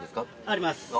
あります。